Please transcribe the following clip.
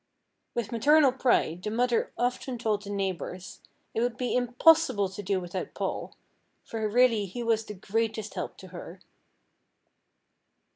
With maternal pride, the mother often told the neighbors "it would be impossible to do without Paul," for really he was the greatest help to her.